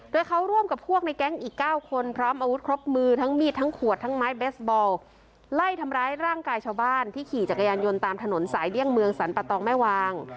โดยเขาร่วมกับพวกในแก๊งอีก๙คนพร้อมอาวุธครบมือทั้งมีดทั้งขวดทั้งไม้เบสบอลไล่ทำร้ายร่างกายชาวบ้านที่ขี่จักรยานยนต์ตามถนนสายเลี่ยงเมืองสรรปะตองแม่วาง